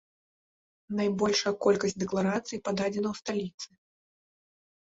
Найбольшая колькасць дэкларацый пададзена ў сталіцы.